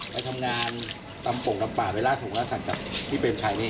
ไปทำงานตำปงตำป่าไปล่าทรงล่าสัตว์กับพี่เปรมชัยนี่